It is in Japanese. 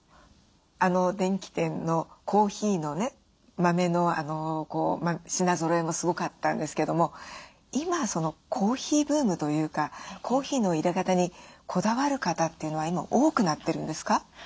あの電気店のコーヒーのね豆の品ぞろえもすごかったんですけども今コーヒーブームというかコーヒーのいれ方にこだわる方というのは今多くなってるんですか？